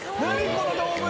この動物！